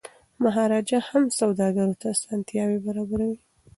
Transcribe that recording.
مهاراجا هم سوداګرو ته اسانتیاوي برابروي.